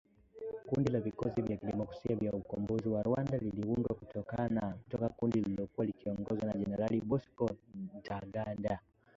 Kundi la Vikosi vya Kidemokrasia vya Ukombozi wa Rwanda liliundwa kutoka kundi lililokuwa likiongozwa na Generali Bosco Ntaganda,